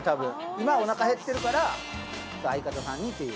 今お腹へってるから相方さんにっていう。